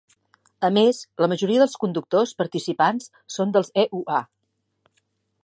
A més, la majoria dels conductors participants són dels EUA.